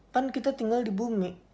kan kita tinggal di bumi